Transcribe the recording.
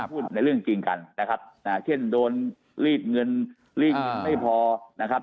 พูดในเรื่องจริงกันนะครับเช่นโดนรีดเงินรีดเงินไม่พอนะครับ